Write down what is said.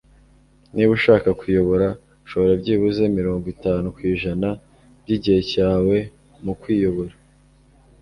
niba ushaka kuyobora, shora byibuze mirongo itanu ku ijana byigihe cyawe mu kwiyobora